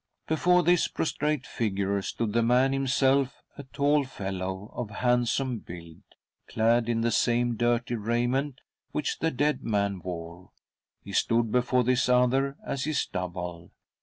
Before this prostrate figure stood the man himself a tall fellow, of handsome build, clad in the same dirty raiment which the dead man wore. He stood before this other as his double.